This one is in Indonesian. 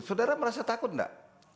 saudara merasa takut enggak